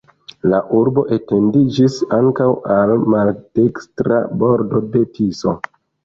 La urbo etendiĝis ankaŭ al maldekstra bordo de Tiso.